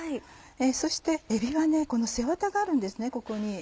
そしてえびはこの背ワタがあるんですここに。